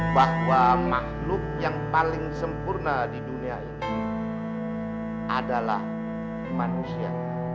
bahwa makhluk yang paling sempurna di dunia ini adalah manusia